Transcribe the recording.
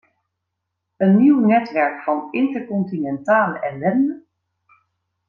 Een nieuw netwerk van intercontinentale ellende?